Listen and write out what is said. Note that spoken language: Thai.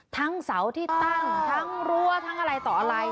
ทั้งเสาติดตั้งทั้งรัวอะไรต่ออะไร